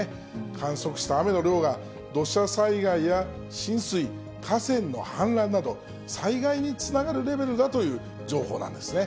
観測した雨の量が土砂災害や浸水、河川の氾濫など、災害につながるレベルだという情報なんですね。